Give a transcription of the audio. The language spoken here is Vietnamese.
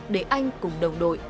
để anh cùng đồng đội